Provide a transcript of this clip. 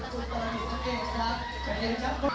คุณมีอะไร